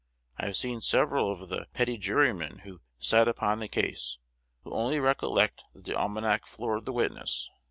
I have seen several of the petit jurymen who sat upon the case, who only recollect that the almanac floored the witness.